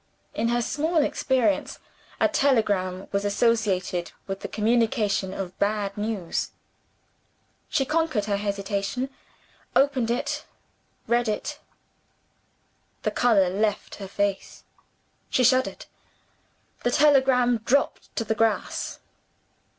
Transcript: In her small experience, a telegram was associated with the communication of bad news. She conquered her hesitation opened it read it. The color left her face: she shuddered. The telegram dropped on the grass.